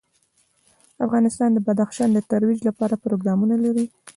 افغانستان د بدخشان د ترویج لپاره پروګرامونه لري.